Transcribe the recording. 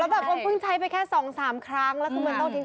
แล้วแบบก็เพิ่งใช้ไปแค่๒๓ครั้งแล้วคุณเมินต้องทิ้ง